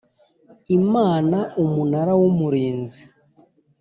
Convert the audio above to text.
Imana Umunara w Umurinzi